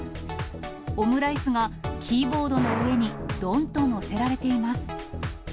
オムライスがキーボードの上にどんと載せられています。